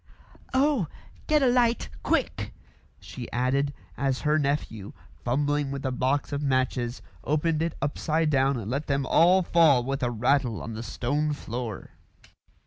"Oh! get a light quick!" she added, as her nephew, fumbling with a box of matches, opened it upside down and let them all fall with a rattle on to the stone floor.